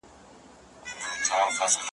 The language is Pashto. ده پر خلکو باندي ږغ کړل چي ملګرو `